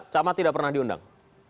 camat tidak pernah diundang